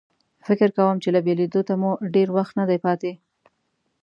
فکر کوم چې له بېلېدو ته مو ډېر وخت نه دی پاتې.